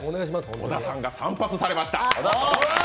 小田さんが散髪されました。